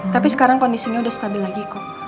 tapi sekarang kondisinya udah stabil lagi kok